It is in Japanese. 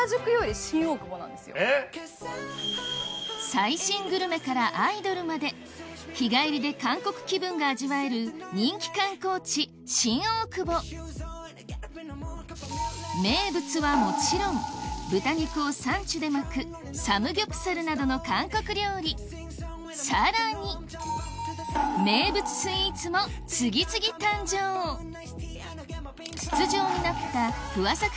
最新グルメからアイドルまで日帰りで韓国気分が味わえる人気観光地新大久保名物はもちろん豚肉をサンチュで巻くサムギョプサルなどの韓国料理さらに名物スイーツも次々誕生筒状になったふわさく